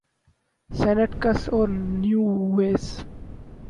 Saint Kitts اور Nevis